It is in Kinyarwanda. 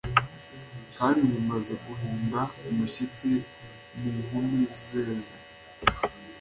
Kandi bimaze guhinda umushyitsi mu nkumi zeze